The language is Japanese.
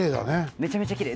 めちゃめちゃきれい。